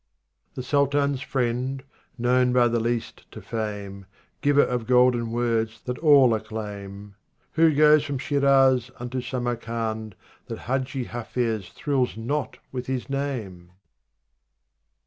59 The Sultan's friend, known by the least to fame, Giver of golden words that all acclaim. Who goes from Shiraz unto Samarcand Tha.t Hadji IJafiz thrills not with his name